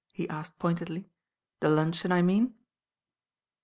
he asLed pointedly, "the luncheon, I mean.